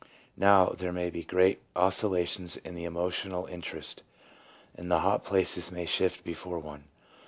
" Now, there may be great oscillations in the emotional in terest, and the hot places may shift before one.